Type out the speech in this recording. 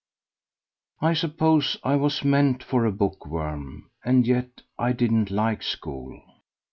I suppose I was meant for a bookworm, and yet I didn't like school.